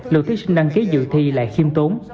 lượt thí sinh đăng ký dự thi lại khiêm tốn